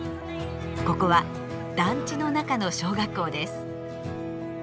ここは団地の中の小学校です。